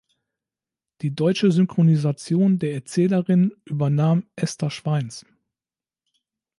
Die deutsche Synchronisation der Erzählerin übernahm Esther Schweins.